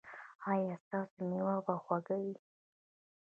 ایا ستاسو میوه به خوږه وي؟